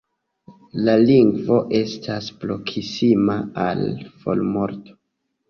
La lingvo estas proksima al formorto.